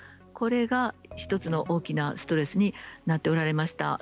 これが１つの大きなストレスになっておられました。